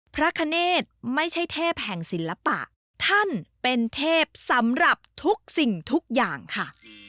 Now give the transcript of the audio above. พระคเนธไม่ใช่เทพแห่งศิลปะท่านเป็นเทพสำหรับทุกสิ่งทุกอย่างค่ะ